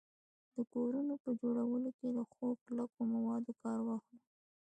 د کورونو په جوړولو کي له ښو کلکو موادو کار واخلو